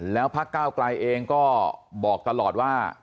แล้วพักก้าวไกลเองก็บอกตลอดว่า